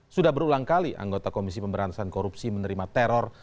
sudah berulang kali anggota komisi pemberantasan korupsi menerima teror